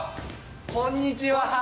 こんにちは。